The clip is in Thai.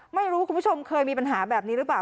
ไม่รู้คุณผู้ชมเคยมีปัญหาแบบนี้หรือเปล่า